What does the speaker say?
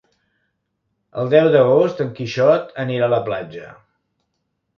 El deu d'agost en Quixot anirà a la platja.